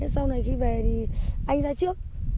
sau này khi về anh ra trước